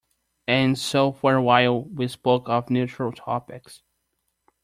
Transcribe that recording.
And so for a while we spoke of neutral topics.